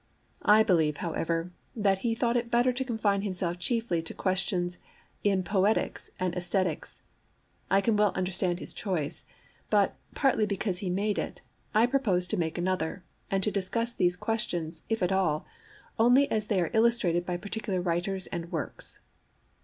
I believe, however, that he thought it better to confine himself chiefly to questions in Poetics or Aesthetics. I can well understand his choice; but, partly because he made it, I propose to make another, and to discuss these questions, if at all, only as they are illustrated by particular writers[Pg 7] and works.